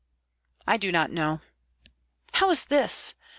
"I do not know." "How is this?